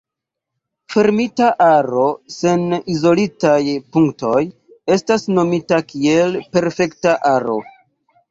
Fermita aro sen izolitaj punktoj estas nomita kiel perfekta aro.